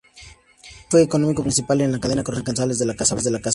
Cedric fue el cómico principal en la cena de corresponsales de la Casa Blanca.